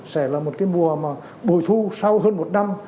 sẽ là một cái mùa mà bồi thu sau hơn một năm